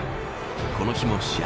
この日も試合